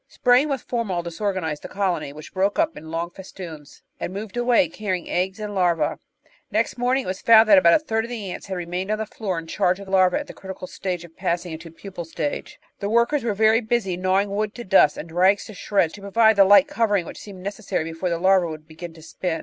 Spraying with formol disorganised the colony, which broke up in long festoons, and moved away, carrying eggs and larvae. Next morning it was found that about a third of the ants had remained on the floor in charge of larvae at the critical stage of passing into the pupal stage. The workers were very busy gnawing wood to dust, and rags to shreds, to provide the light covering which seemed necessary before the larvae would begin to spin.